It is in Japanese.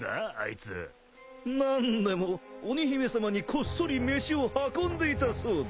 何でも鬼姫様にこっそり飯を運んでいたそうだ